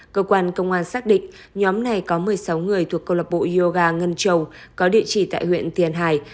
cơ quan công an xác định nhóm này có một mươi sáu người thuộc câu lạc bộ yoga ngân trầu có địa chỉ tại huyện tiền hải